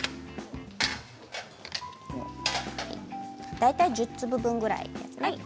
大体１０粒分ぐらいです。